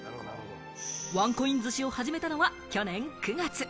ワンコイン寿司を始めたのは去年９月。